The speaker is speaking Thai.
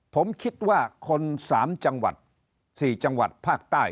ผมคิดว่าคน๓จังหวัด๔จังหวัดภาคใต้